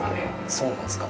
そうなんですか。